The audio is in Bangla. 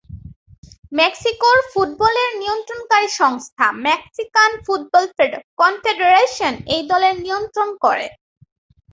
মেক্সিকোর ফুটবলের নিয়ন্ত্রণকারী সংস্থা মেক্সিকান ফুটবল কনফেডারেশন এই দলের নিয়ন্ত্রণ করে।